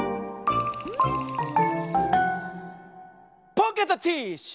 ポケットティッシュ！